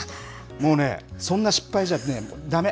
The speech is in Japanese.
もうね、そんな失敗じゃね、だめ。